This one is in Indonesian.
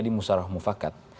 terjadi musarah mufakat